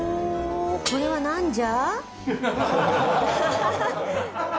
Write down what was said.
これはなんじゃ？